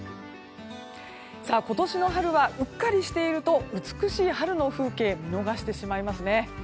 今年の春はうっかりしていると美しい春の風景を見逃してしまいますね。